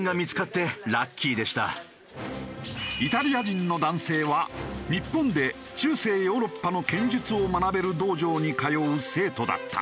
イタリア人の男性は日本で中世ヨーロッパの剣術を学べる道場に通う生徒だった。